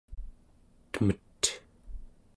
temet